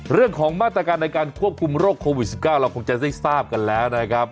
เรื่องของมาตรการในการควบคุมโรคโควิด๑๙เราคงจะได้ทราบกันแล้วนะครับ